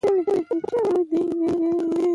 شپون په غره کې خپلې رمې پيايي.